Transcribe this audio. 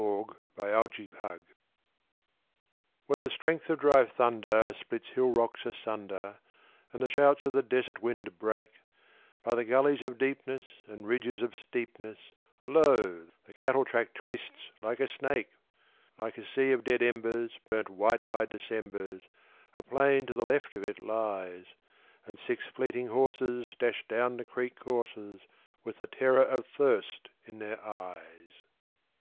On a Cattle Track Where the strength of dry thunder splits hill rocks asunder, And the shouts of the desert wind break, By the gullies of deepness and ridges of steepness, Lo, the cattle track twists like a snake! Like a sea of dead embers, burnt white by Decembers, A plain to the left of it lies; And six fleeting horses dash down the creek courses With the terror of thirst in their eyes.